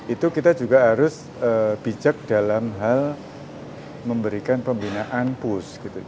itu kita juga harus bijak dalam hal memberikan pembinaan push